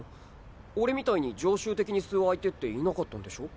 俺みたいに常習的に吸う相手っていなかったんでしょ？